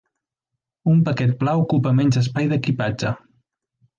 Un paquet pla ocupa menys espai d'equipatge.